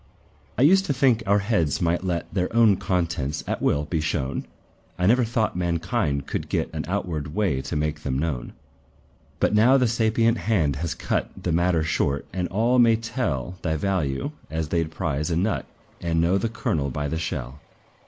I used to think our heads might let Their own contents, at will, be shown; I never thought mankind could get An outward way to make them known. But now the sapient hand has cut The matter short, and all may tell Thy value, as they 'd prize a nut, And know the kernel by the shell.